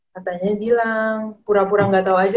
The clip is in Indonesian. katanya bilang pura pura gak tau aja